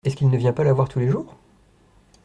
Est-ce qu’il ne vient pas la voir tous les jours ?